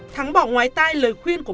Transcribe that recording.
thắng bỏ ngoài tay lời khuyên của cô